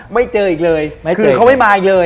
ไม่เจออีกเลยคือเขาไม่มาอีกเลย